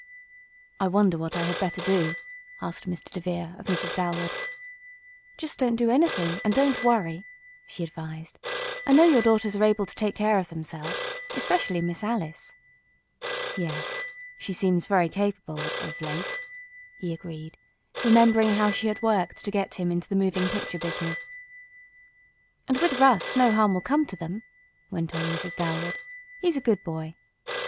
"I wonder what I had better do?" asked Mr. DeVere of Mrs. Dalwood. "Just don't do anything and don't worry," she advised. "I know your daughters are able to take care of themselves especially Miss Alice." "Yes, she seems very capable of late," he agreed, remembering how she had worked to get him into the moving picture business. "And with Russ no harm will come to them," went on Mrs. Dalwood. "He's a good boy."